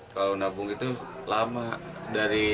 kalau menabung itu lama